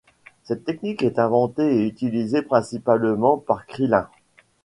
Cette technique est inventée et utilisée principalement par Krilin.